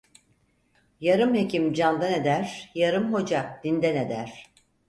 Yarım hekim candan eder, yarım hoca dinden eder.